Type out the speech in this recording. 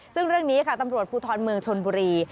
ซึ่งเรื่องนี้ค่ะตำรวจภูทรเมืองชนบุรี